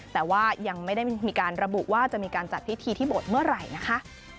แต่ว่ายังไม่ได้มีการระบุว่าจะมีการจัดพิธีที่บทเมื่อไหร่นะคะ